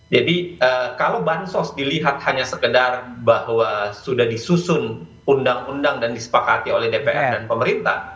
jadi kalau bansos dilihat hanya sekedar bahwa sudah disusun undang undang dan disepakati oleh dpr dan pemerintah